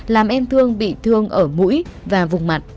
làm em thương bị thương ở mũi và vùng mặt